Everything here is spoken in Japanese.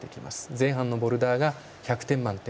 前半のボルダーが１００点満点。